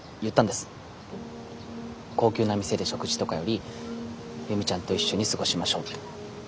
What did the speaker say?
高級な店で食事とかより由美ちゃんと一緒に過ごしましょうって。